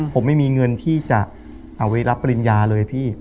ผมไม่มีเงินที่จะเอาไว้รับปริญญาเลยพี่